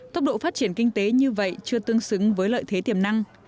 tốc độ phát triển kinh tế như vậy chưa tương xứng với lợi thế tiềm năng